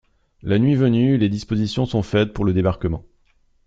La nuit venue, les dispositions sont faites pour le débarquement.